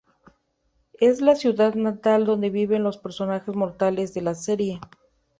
Es la ciudad natal donde viven los personajes mortales de la serie.